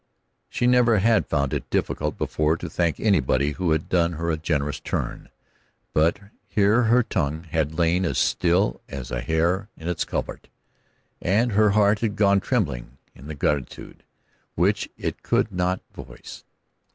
She never had found it difficult before to thank anybody who had done her a generous turn; but here her tongue had lain as still as a hare in its covert, and her heart had gone trembling in the gratitude which it could not voice.